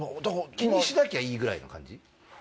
「気にしなきゃいい」ぐらいの感じ？